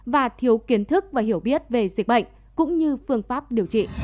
và thiếu kiến thức và hiểu biết về dịch bệnh cũng như phương pháp điều trị